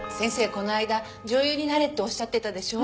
この間女優になれっておっしゃってたでしょ？